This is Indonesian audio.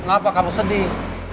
kenapa kamu sedih